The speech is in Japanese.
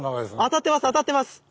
当たってます